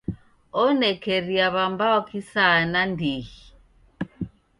Onekeria w'ambao kisaya nandighi.